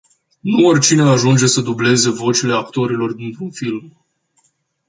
Nu oricine ajunge să dubleze vocile actorilor într-un film.